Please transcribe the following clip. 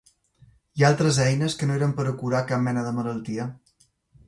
I altres eines que no eren pera curar cap mena de malaltia.